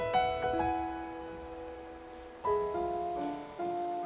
แม่แม่